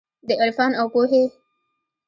د عرفان اوپو هي